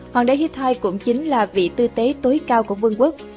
hoàng đế hittite cũng chính là vị tư tế tối cao của vương quốc